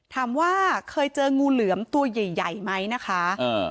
ถามว่าเคยเจองูเหลือมตัวใหญ่ใหญ่ไหมนะคะ